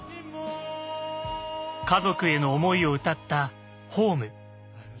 家族への思いを歌った「ｈｏｍｅ」。